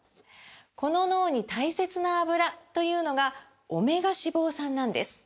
この脳に大切なアブラというのがオメガ脂肪酸なんです！